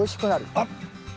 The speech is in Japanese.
あっ！